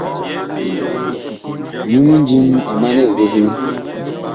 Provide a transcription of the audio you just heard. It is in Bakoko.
Nyu mindím ɔ manɛ evehee.